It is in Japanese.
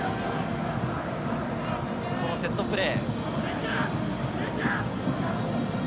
そのセットプレー。